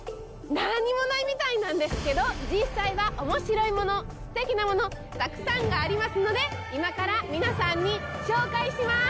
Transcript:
何もないみたいなんですけど実際はおもしろいもの、すてきなものたくさんありますので今から皆さんに紹介します！